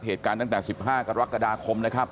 เหตุการณ์ตั้งแต่๑๕กรกฎาคมนะครับ